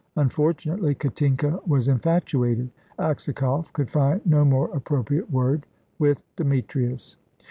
Unfortunately, Katinka was infatuated Aksakoff could find no more appropriate word with Demetrius.